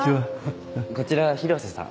こちら広瀬さん。